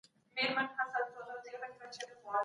ولي د فکر ازادي مهمه ده؟